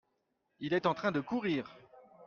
Il est en train de courrir.